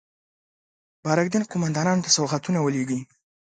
بارک دین قوماندانانو ته سوغاتونه ولېږي.